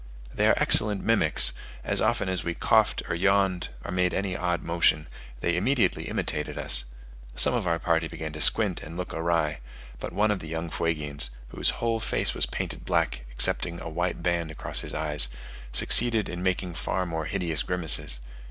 They are excellent mimics: as often as we coughed or yawned, or made any odd motion, they immediately imitated us. Some of our party began to squint and look awry; but one of the young Fuegians (whose whole face was painted black, excepting a white band across his eyes) succeeded in making far more hideous grimaces.